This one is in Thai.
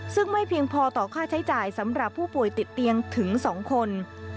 ซึ่งไม่เพียงพอต่อค่าใช้จ่ายสำหรับผู้ป่วยติดเตียงถึง๒คน